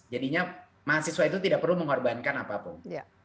jadinya mahasiswa itu tidak perlu mengorbankan apapun